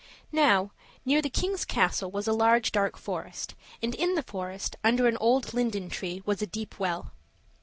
Now, near the king's castle was a large dark forest; and in the forest, under an old linden tree, was a deep well.